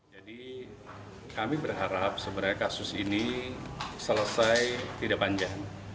jadi kami berharap sebenarnya kasus ini selesai tidak panjang